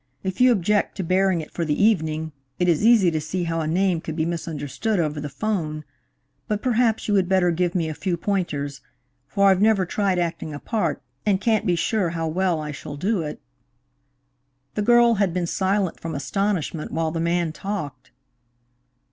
If you object to bearing it for the evening, it is easy to see how a name could be misunderstood over the 'phone. But perhaps you would better give me a few pointers, for I've never tried acting a part, and can't be sure how well I shall do it." The girl had been silent from astonishment while the man talked.